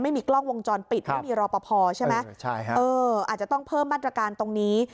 ไม่มีกล้องวงจรปิดไม่มีรอปภใช่ไหมอาจจะต้องเพิ่มมาตรการตรงนี้